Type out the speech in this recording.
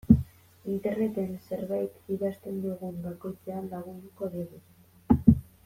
Interneten zerbait idazten dugun bakoitzean lagunduko digu.